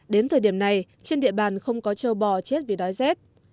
đến thời điểm này trên địa bàn không có châu bò chết vì đói rét